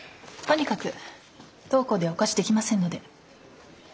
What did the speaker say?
とにかく当行ではお貸しできませんので。